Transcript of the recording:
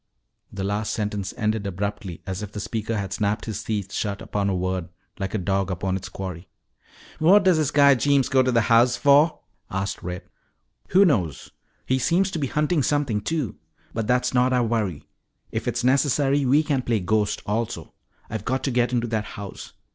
The last sentence ended abruptly as if the speaker had snapped his teeth shut upon a word like a dog upon its quarry. "What does this guy Jeems go to the house for?" asked Red. "Who knows? He seems to be hunting something too. But that's not our worry. If it's necessary, we can play ghost also. I've got to get into that house.